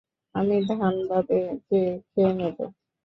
আমি ধানবাদে যেয়ে খেয়ে নেব!